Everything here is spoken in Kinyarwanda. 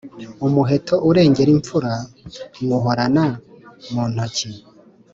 Umuheto urengera imfura nywuhorana mu ntoki.